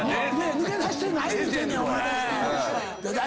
抜け出してない言うてんねん！